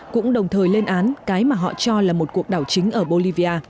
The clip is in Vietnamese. cũng đồng thời lên án cái mà họ cho là một cuộc đảo chính ở bolivia